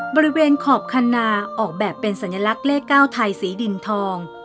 บริเวณขอบคันนาออกแบบเป็นสัญลักษณ์เลข๙ไทยสีดินทอง